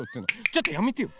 ちょっとやめてよ！